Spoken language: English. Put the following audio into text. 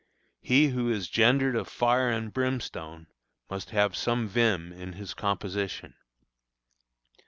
He who is gendered of fire and brimstone must have some vim in his composition.